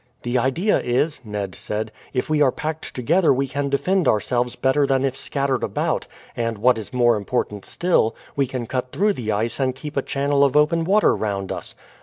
"The idea is," Ned said, "if we are packed together we can defend ourselves better than if scattered about, and what is more important still, we can cut through the ice and keep a channel of open water round us."